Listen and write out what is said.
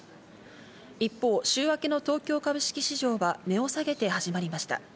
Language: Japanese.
一方、週明けの東京株式市場は値を下げて始まりました。